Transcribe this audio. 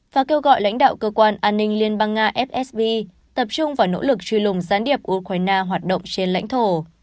và kêu gọi lãnh đạo cơ quan an ninh liên bang nga fsv tập trung vào nỗ lực truy lùng gián điệp của ukraine hoạt động trên lãnh thổ